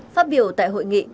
phát biểu tại hội nghị